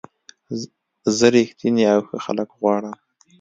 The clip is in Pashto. زه رښتیني او ښه خلک غواړم.